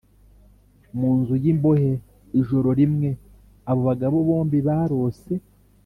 mu nzu y imbohe Ijoro rimwe abo bagabo bombi barose